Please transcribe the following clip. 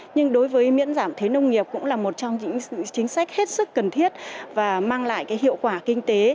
nhưng đối với miễn giảm thuế nông nghiệp cũng là một trong những chính sách hết sức cần thiết và mang lại hiệu quả kinh tế